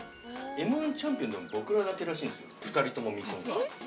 ◆Ｍ−１チャンピオンでも僕らだけらしいんですよ、２人とも未婚が。